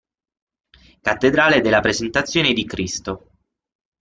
Cattedrale della Presentazione di Cristo